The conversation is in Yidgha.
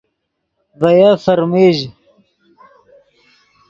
ڤے یف فرمژ